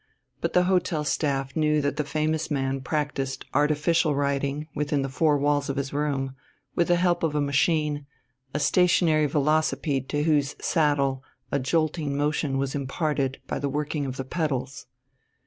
But the hotel staff knew that the famous man practised artificial riding within the four walls of his room, with the help of a machine, a stationary velocipede to whose saddle a jolting motion was imparted by the working of the pedals.